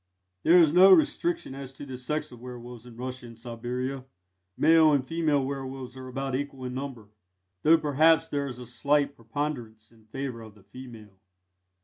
There is no restriction as to the sex of werwolves in Russia and Siberia male and female werwolves are about equal in number, though perhaps there is a slight preponderance in favour of the female.